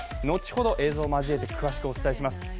のちほど映像を交えて詳しくお伝えします。